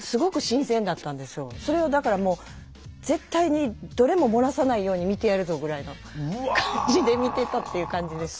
それをだからもう「絶対にどれも漏らさないように見てやるぞ」ぐらいの感じで見てたっていう感じです。